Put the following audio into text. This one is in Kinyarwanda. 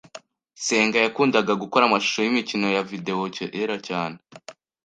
Sega yakundaga gukora amashusho yimikino ya videwo kera cyane.